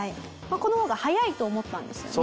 この方が早いと思ったんですよね？